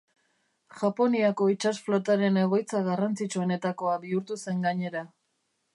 Japoniako itsas flotaren egoitza garrantzitsuenetakoa bihurtu zen gainera.